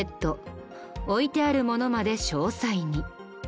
置いてあるものまで詳細に。